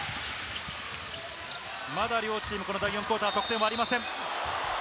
まだ両チーム、第４クオーター、得点はありません。